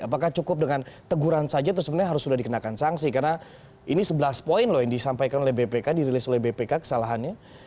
apakah cukup dengan teguran saja atau sebenarnya harus sudah dikenakan sanksi karena ini sebelas poin loh yang disampaikan oleh bpk dirilis oleh bpk kesalahannya